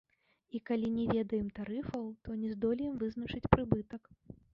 А калі не ведаем тарыфаў, то не здолеем вызначыць прыбытак.